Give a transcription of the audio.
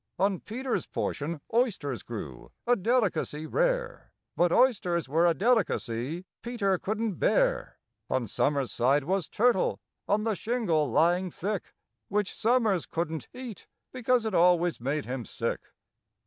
On PETER'S portion oysters grew—a delicacy rare, But oysters were a delicacy PETER couldn't bear. On SOMERS' side was turtle, on the shingle lying thick, Which SOMERS couldn't eat, because it always made him sick.